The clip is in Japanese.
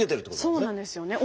そうなんですよね。